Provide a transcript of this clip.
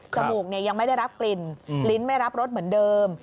มูกยังไม่ได้รับกลิ่นลิ้นไม่รับรสเหมือนเดิม